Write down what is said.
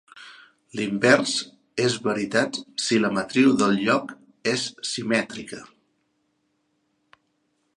L'invers és veritat si la matriu del lloc és simètrica.